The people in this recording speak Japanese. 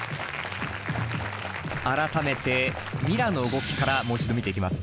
改めてＭｉｒａの動きからもう一度見ていきます。